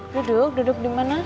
duduk duduk dimana